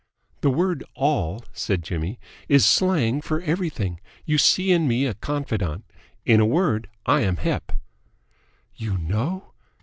"The word 'all,'" said Jimmy, "is slang for 'everything.' You see in me a confidant. In a word, I am hep." "You know